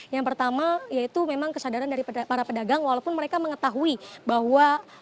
yang pertama yaitu memang kesadaran dari para pedagang walaupun mereka mengetahui bahwa